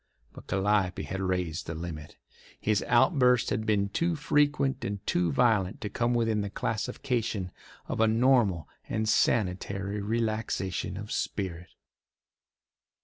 But Calliope had raised the limit. His outbursts had been too frequent and too violent to come within the classification of a normal and sanitary relaxation of spirit.